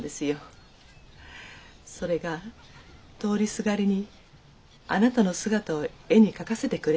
それが通りすがりに「あなたの姿を絵に描かせてくれ」